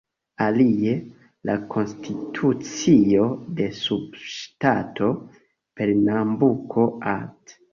Alie, la konstitucio de subŝtato Pernambuko, art.